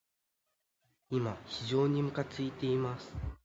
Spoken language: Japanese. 今、非常にむかついています。